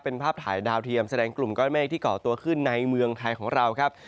เป็นภาพถ่ายดาวเทียมแสดงกลุ่มก้อนเมฆที่เกาะตัวขึ้นในเมืองไทยของเราครับ